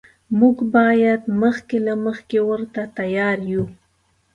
موږ باید مخکې له مخکې ورته تیار یو.